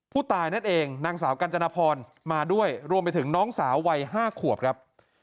ผู้ตายนั่นเองนางสาวกัญจนพรมาด้วยรวมไปถึงน้องสาววัย๕ขวบครับ